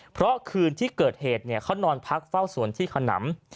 เพราะคืนที่เกิดเหตุเขานอนพักเฝ้าสวนที่ขนำ